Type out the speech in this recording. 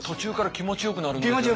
気持ちよくなるんです。